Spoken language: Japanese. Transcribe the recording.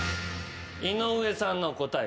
井上さんの答え